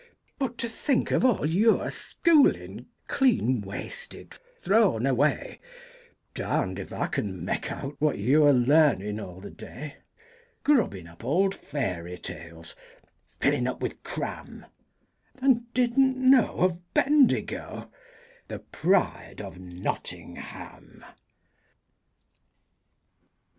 But to think of all your schooling clean wasted, thrown away, Darned if I can make out what you're learnin' all the day, Grubbin' up old fairy tales, fillin' up with cram, And didn't know of Bendigo, the pride of Nottingham.